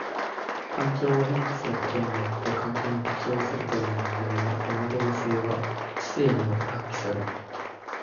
環境を変化することによって環境に適応するという人間の能動性は知性によって発揮される。